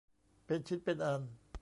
เป็นชิ้นเป็นอัน